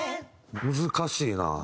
難しいな。